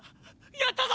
やったぞ！！